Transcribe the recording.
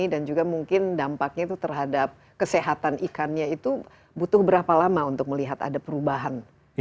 dan juga mungkin dampaknya itu terhadap kesehatan ikannya itu butuh berapa lama untuk melihat ada perubahan